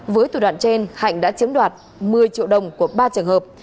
với thủ đoạn trên hạnh đã chiếm đoạt một mươi triệu đồng của ba trường hợp